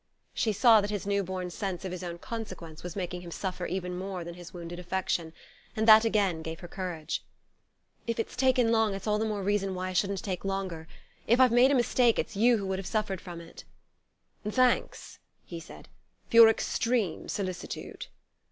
She saw that his new born sense of his own consequence was making him suffer even more than his wounded affection; and that again gave her courage. "If I've taken long it's all the more reason why I shouldn't take longer. If I've made a mistake it's you who would have suffered from it...." "Thanks," he said, "for your extreme solicitude."